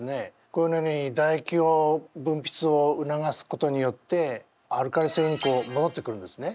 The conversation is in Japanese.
このようにだ液を分泌を促すことによってアルカリ性にこうもどってくるんですね。